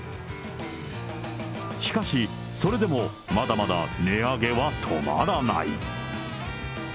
しかし、それでも、まだまだ値上げは止まらない。